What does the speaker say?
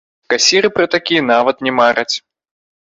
Касіры пра такі нават не мараць!